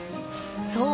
そう。